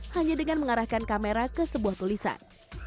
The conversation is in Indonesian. hanya dengan mengarahkan kamera ke sebuah tulisan